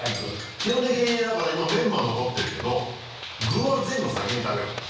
基本的にだから今メンマ残ってるけど具は全部先に食べるから。